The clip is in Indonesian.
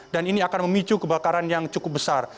dan ini akan memicu kebakaran yang cukup besar